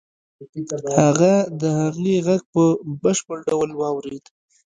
هغه د هغې غږ په بشپړ ډول واورېد.